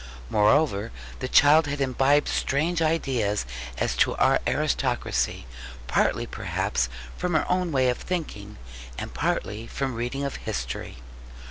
Moreover, the child had imbibed strange ideas as to our aristocracy, partly perhaps from her own way of thinking, and partly from reading of history.